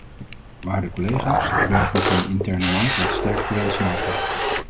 Waarde collega's, de werking van de interne markt laat sterk te wensen over.